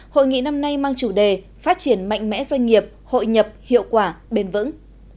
hội nghị năm nay mang chủ đề phát triển mạnh mẽ doanh nghiệp hội nhập hiệu quả bền vững